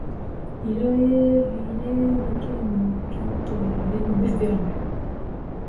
イル＝エ＝ヴィレーヌ県の県都はレンヌである